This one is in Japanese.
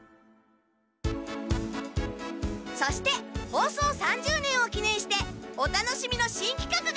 そして放送３０年をきねんしてお楽しみの新きかくが！